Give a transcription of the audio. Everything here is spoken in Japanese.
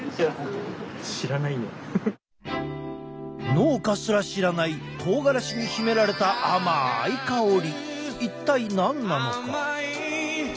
農家すら知らないとうがらしに秘められた一体何なのか？